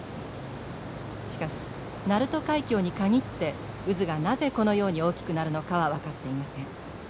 しかし鳴門海峡に限って渦がなぜこのように大きくなるのかは分かっていません。